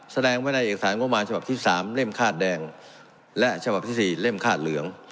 แสดงไว้ในเอกสารงบประมาณฉบับที่๓เล่มคาดแดงและฉบับที่๔เล่มคาดเหลือง